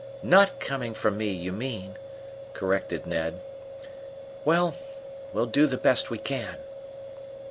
"Not coming from me, you mean," corrected Ned. "Well, we'll do the best we can."